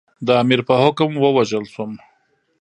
د امیر په حکم ووژل شوم.